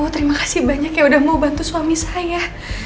terima kasih banyak ya udah mau bantu suami saya